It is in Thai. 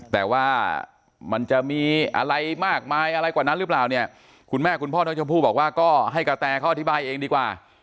แต่ว่ามันจะมีอะไรมากมายอะไรกว่านั้นหรือเปล่าเนี่ยคุณแม่คุณพ่อน้องชมพู่บอกว่าก็ให้กะแตเขาอธิบายเองดีกว่า